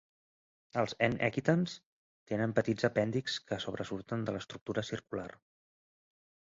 Els "n. equitans" tenen petits apèndixs que sobresurten de l'estructura circular.